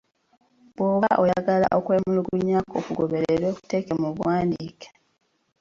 Bwoba oyagala okwemulugunya kwo kugobererwe kuteeke mu buwandiike.